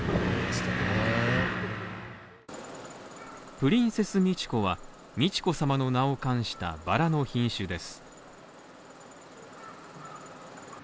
プリンセス・ミチコは美智子さまの名を冠したバラの品種です。